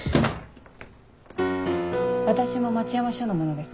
私も町山署の者です。